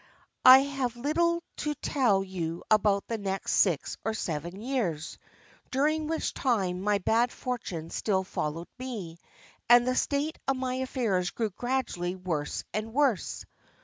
"I have little to tell you about the next six or seven years, during which time my bad fortune still followed me, and the state of my affairs grew gradually worse and worse.